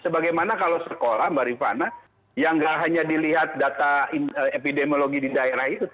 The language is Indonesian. sebagaimana kalau sekolah barifana yang tidak hanya dilihat data epidemiologi di daerah itu